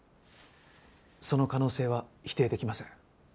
その可能性は否定できません。